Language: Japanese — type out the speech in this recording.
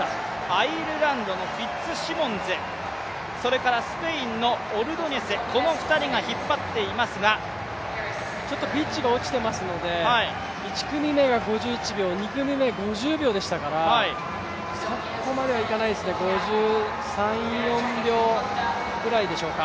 アイルランドのフィッツシモンズ、スペインのオルドニェス、ちょっとピッチが落ちていますので、１組目が５１秒２組目が５０秒でしたからそこまでいかないですね、５３５４秒くらいでしょうか。